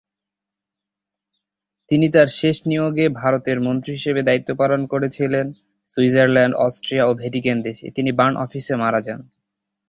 তিনি তার শেষ নিয়োগে ভারতের মন্ত্রী হিসাবে দায়িত্ব পালন করেছিলেন সুইজারল্যান্ড, অস্ট্রিয়া ও ভ্যাটিকান দেশে; তিনি বার্ন অফিসে মারা যান।